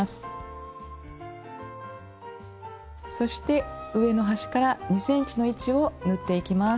そして上の端から２ｃｍの位置を縫っていきます。